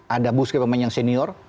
ada busquets pemain yang senior